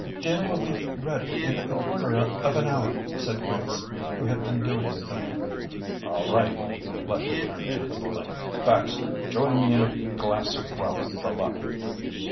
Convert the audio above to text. "Dinner will be ready in a quarter of an hour," said Grace, who had been doing the cooking. "All right." Lesher turned to the bully: "Baxter, join me in a glass of rum for luck."